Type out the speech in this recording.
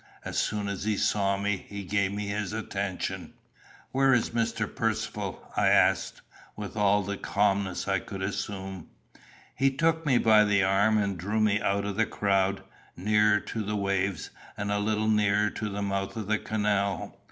As soon as he saw me, he gave me his attention. "Where is Mr. Percivale?" I asked, with all the calmness I could assume. He took me by the arm, and drew me out of the crowd, nearer to the waves, and a little nearer to the mouth of the canal.